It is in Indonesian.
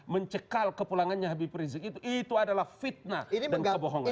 mencekal kepulangannya habib rizik itu adalah fitnah dan kebohongan